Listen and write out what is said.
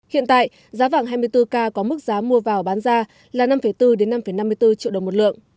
hiện tại giá vàng hai mươi bốn k có mức giá mua vào bán ra là năm bốn năm năm mươi bốn triệu đồng một lượng